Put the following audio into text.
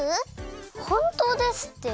ほんとうですって。